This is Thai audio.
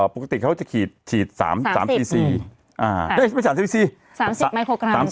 ปกติเขาจะฉีด๓๔๔๓๐ไมโครกรัม